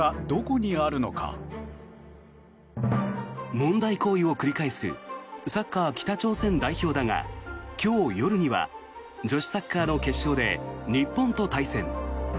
問題行為を繰り返すサッカー北朝鮮代表だが今日夜には女子サッカーの決勝で日本と対戦。